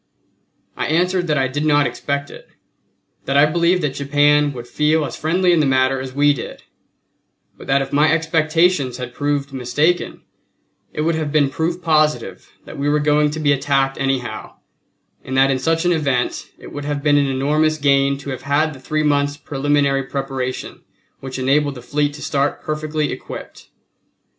I answered that I did not expect it; that I believed that Japan would feel as friendly in the matter as we did; but that if my expectations had proved mistaken, it would have been proof positive that we were going to be attacked anyhow, and that in such event it would have been an enormous gain to have had the three months' preliminary preparation which enabled the fleet to start perfectly equipped.